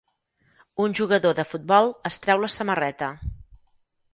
Un jugador de futbol es treu la samarreta.